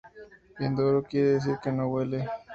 Inodoro quiere decir que no huele.